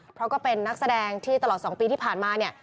เพราะก็เป็นนักแสดงที่ตลอด๒ปีที่ผ่านมาเนี่ย